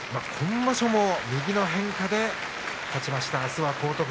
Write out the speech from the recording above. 今場所も右の変化で勝ちました。